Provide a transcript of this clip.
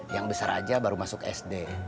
yang besar aja baru masuk sd